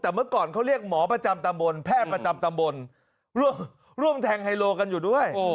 แต่เมื่อก่อนเขาเรียกหมอประจำตำบลแพทย์ประจำตำบลร่วมแทงไฮโลกันอยู่ด้วย